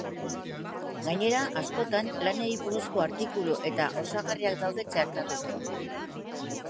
Gainera, askotan, lanei buruzko artikulu eta osagarriak daude txertatuta.